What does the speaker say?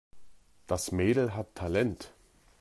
Das Mädel hat Talent.